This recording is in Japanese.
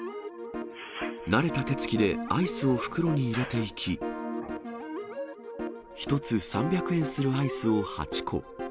慣れた手つきでアイスを袋に入れていき、１つ３００円するアイスを８個。